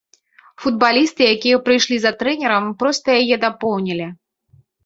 Футбалісты, якія прыйшлі за трэнерам, проста яе дапоўнілі.